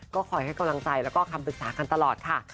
ก็คอยให้กำลังใจแล้วก็คำปรึกษากันตลอดค่ะ